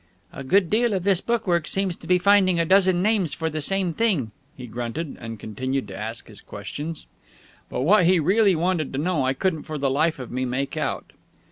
"A good deal of this bookwork seems to be finding a dozen names for the same thing," he grunted; and continued to ask his questions. But what it was he really wanted to know I couldn't for the life of me make out.